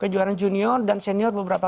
kejuaraan junior dan senior beberapa